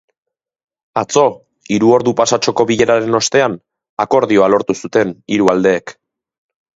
Atzo, hiru ordu pasatxoko bileraren ostean, akordioa lortu zuten hiru aldeek.